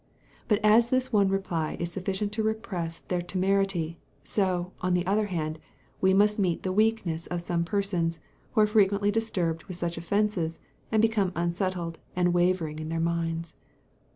But as this one reply is sufficient to repress their temerity, so, on the other hand, we must meet the weakness of some persons, who are frequently disturbed with such offences, and become unsettled and wavering in their minds.